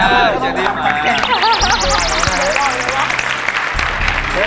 ในยากสุดในใคร